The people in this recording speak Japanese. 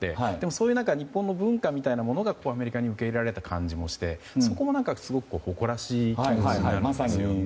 そういう日本の文化みたいなものがアメリカでも受け入れられた感じもしてそこもすごく誇らしい気持ちになりますよね。